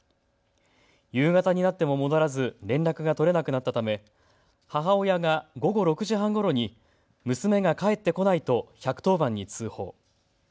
夕方になっても戻らず連絡が取れなくなったため母親が午後６時半ごろに娘が帰ってこないと１１０番に通報。